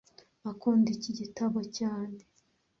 Akunda iki gitabo cyane